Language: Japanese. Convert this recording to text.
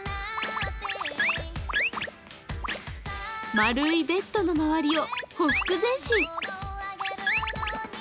丸いベッドの周りをほふく前進。